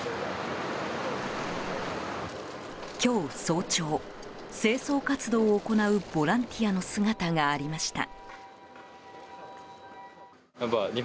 今日早朝、清掃活動を行うボランティアの姿がありました。